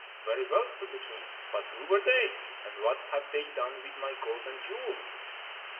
"Very well," said the king; "but who were they? and what have they done with my gold and jewels?"